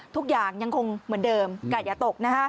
ทุกอย่างยังคงเหมือนเดิมอย่าตก